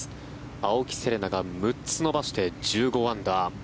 青木瀬令奈が６つ伸ばして１５アンダー。